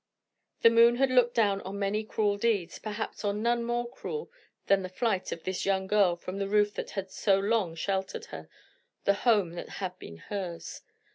The moon had looked down on many cruel deeds, perhaps on none more cruel than the flight of this young girl from the roof that had so long sheltered her, the home that had been hers.